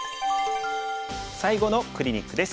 最後のクリニックです。